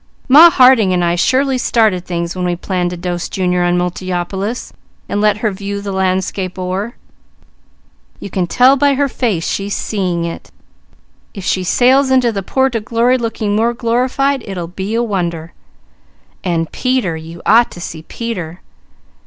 Ma Harding and I surely started things when we planned to dose Junior on Multiopolis, and let her 'view the landscape o'er.' You can tell by her face she's seeing it! If she sails into the port o' glory looking more glorified, it'll be a wonder! And Peter! You ought to see Peter!